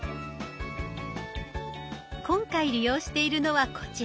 今回利用しているのはこちら。